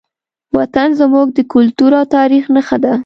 وطن زموږ د کلتور او تاریخ نښه ده.